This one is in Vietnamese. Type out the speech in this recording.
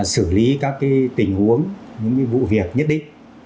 xử lý các tình huống những vụ việc nhất định